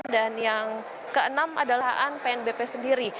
dan yang keenam adalah pengelolaan pnbp sendiri